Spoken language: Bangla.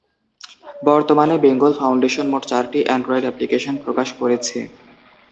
বর্তমানে বেঙ্গল ফাউন্ডেশন মোট চারটি অ্যান্ড্রয়েড অ্যাপ্লিকেশন প্রকাশ করেছে।